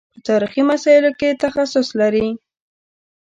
په تاریخي مسایلو کې تخصص لري.